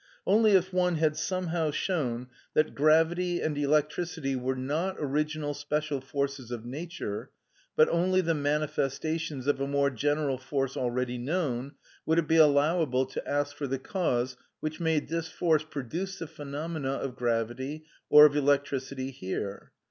Only if one had somehow shown that gravity and electricity were not original special forces of nature, but only the manifestations of a more general force already known, would it be allowable to ask for the cause which made this force produce the phenomena of gravity or of electricity here.